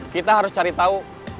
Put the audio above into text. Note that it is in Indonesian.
kita harus cari tahu